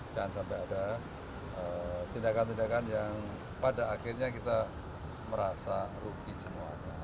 jangan sampai ada tindakan tindakan yang pada akhirnya kita merasa rugi semuanya